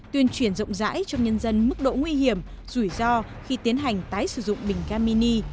tuyên truyền rộng rãi cho nhân dân mức độ nguy hiểm rủi ro khi tiến hành tái sử dụng bình ga mini